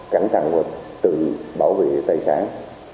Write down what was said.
cẩn thận từ bảo vệ tài sản